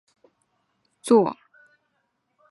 该剧为同一系列第四作。